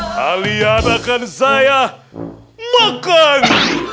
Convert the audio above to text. kalian akan saya makan